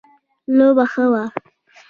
لوبه ښه وه